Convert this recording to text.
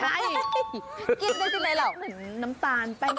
ไม่ใช่กินได้สิไหมเหรอ